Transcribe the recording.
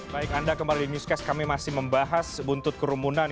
baik anda kembali di newscast kami masih membahas buntut kerumunan